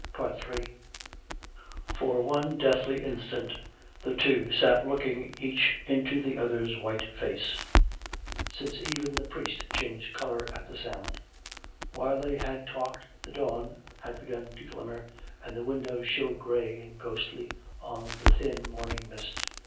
Ill For one deathly instant the two sat looking each into the other's white face — since even the priest changed colour at the sound. (While they had talked the dawn had begun to glimmer, and tlie windows showed grey and ghostly on the thin morning mist.)